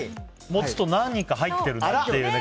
持つと何か入ってるね。